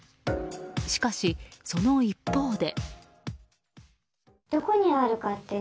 しかし、その一方で。